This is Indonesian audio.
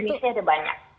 jadi jenisnya ada banyak